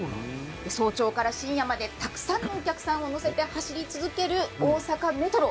早朝から深夜までたくさんのお客さんを乗せて走り続ける大阪メトロ。